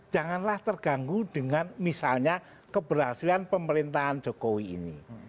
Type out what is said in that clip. janganlah terganggu dengan misalnya keberhasilan pemerintahan jokowi ini